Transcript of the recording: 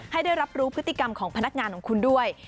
ให้ได้รับรู้พฤติกรรมของพนักงานของคุณด้วย